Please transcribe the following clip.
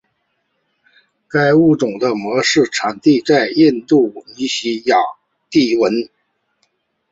该物种的模式产地在印度尼西亚帝汶。